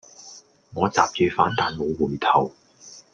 我閘住反彈無回頭